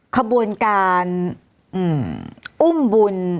ขบวนการอุ้มบุญ